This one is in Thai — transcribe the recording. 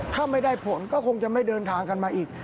ถ้าไม่ได้ผลก็คงจะไม่เดินทางกันมาอีก